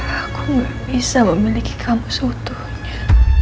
aku gak bisa memiliki kamu sebetulnya